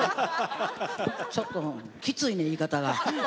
ちょっときついねん言い方が。